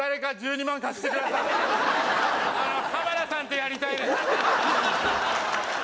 あの浜田さんとやりたいです